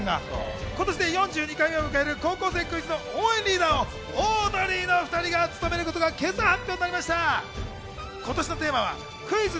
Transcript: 今年で４２回目を迎える『高校生クイズ』の応援リーダーをオードリーのお２人が務めることが今朝発表になりました。